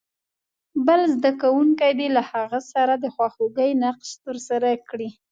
بل زده کوونکی دې له هغه سره د خواخوږۍ نقش ترسره کړي.